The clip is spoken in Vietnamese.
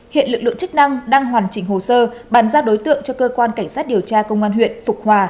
hiện lực lượng chức năng đang hoàn chỉnh hồ sơ bàn giao đối tượng cho cơ quan cảnh sát điều tra công an huyện phục hòa